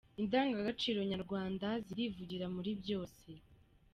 indangagaciro nyarwanda zirivugira muri byose